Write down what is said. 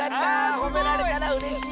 ほめられたらうれしい！